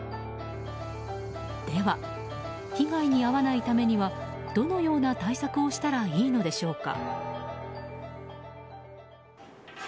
では、被害に遭わないためにはどのような対策をしたらいいのでしょうか。